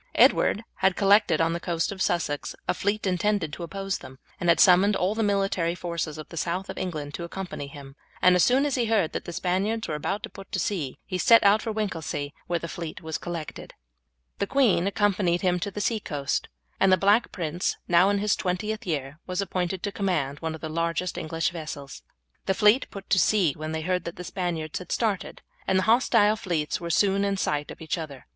Edward had collected on the coast of Sussex a fleet intended to oppose them, and had summoned all the military forces of the south of England to accompany him; and as soon as he heard that the Spaniards were about to put to sea he set out for Winchelsea, where the fleet was collected. The queen accompanied him to the sea coast, and the Black Prince, now in his twentieth year, was appointed to command one of the largest of the English vessels. The fleet put to sea when they heard that the Spaniards had started, and the hostile fleets were soon in sight of each other.